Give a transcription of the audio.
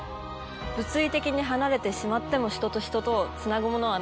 物理的に離れてしまっても人と人とをつなぐものは何なのか？